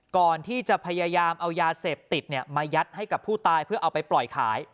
พยายามเอายาเสพติดมายัดให้กับผู้ตายเพื่อเอาไปปล่อยขาย